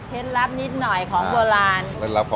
เคล็ดลับนิดหน่อยของโบราณ